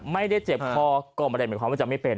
ไม่ได้เจ็บคอก็ไม่ได้หมายความว่าจะไม่เป็น